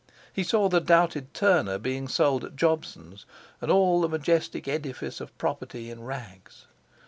He saw the doubted Turner being sold at Jobson's, and all the majestic edifice of property in rags.